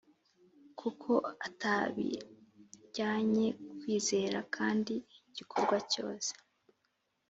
Kuko atabiryanye kwizera kandi igikorwa cyose